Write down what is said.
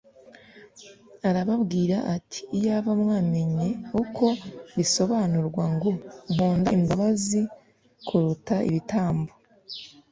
Arababwira ati : "Iyaba mwaramenye uko bisobanurwa ngo : Nkunda imbabazi kuruta ibitambo."